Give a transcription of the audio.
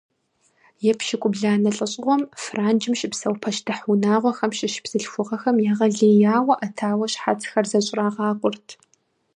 Епщыкӏубланэ лӀэщӀыгъуэм Франджым щыпсэу пащтыхь унагъуэхэм щыщ бзылъхугъэхэм егъэлеяуэ Ӏэтауэ щхьэцхэр зэщӀрагъакъуэрт.